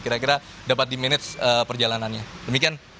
kira kira dapat di manage perjalanannya demikian